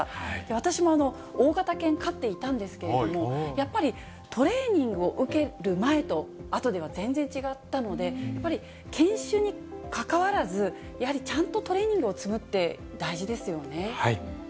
私も、大型犬、飼っていたんですけれども、やっぱりトレーニングを受ける前とあとでは全然違ったので、やっぱり犬種にかかわらず、やはりちゃんとトレーニングを積むって大事ですよね。